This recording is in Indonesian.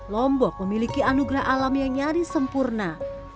lombok memiliki anugerah alam yang nyaris sempurna